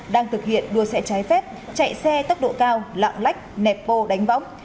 đang thực hiện đua xe trái phép chạy xe tốc độ cao lạng lách nẹp bô đánh võng